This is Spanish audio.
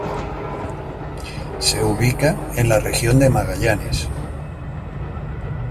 Se ubica en la Región de Magallanes.